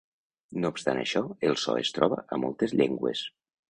No obstant això, el so es troba a moltes llengües.